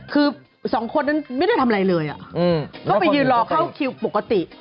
คือสองคนนั้นไม่ได้ทำอะไรเลยก็ไปยืนรอเข้าคิวปกติ